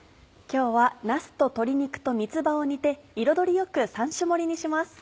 今日はなすと鶏肉と三つ葉を煮て彩りよく３種盛りにします。